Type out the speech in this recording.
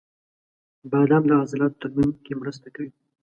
• بادام د عضلاتو ترمیم کې مرسته کوي.